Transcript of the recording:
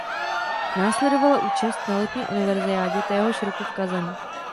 Následovala účast na Letní univerziádě téhož roku v Kazani.